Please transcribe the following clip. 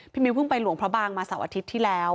มิ้วเพิ่งไปหลวงพระบางมาเสาร์อาทิตย์ที่แล้ว